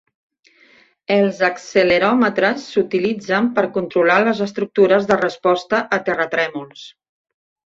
Els acceleròmetres s'utilitzen per controlar les estructures de resposta a terratrèmols.